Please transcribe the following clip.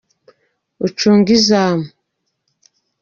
ucunge izamu.